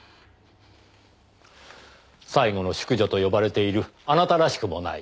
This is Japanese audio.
最後の淑女と呼ばれているあなたらしくもない。